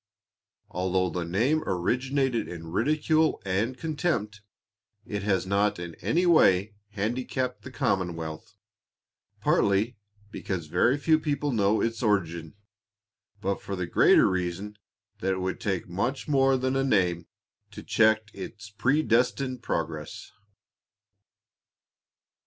'" Although the name originated in ridicule and contempt, it has not in any way handicapped the commonwealth, partly because very few people know its origin, but for the greater reason, that it would take much more than a name to check its predestined progress.